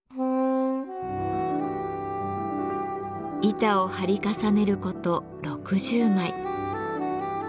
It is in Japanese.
板を貼り重ねること６０枚。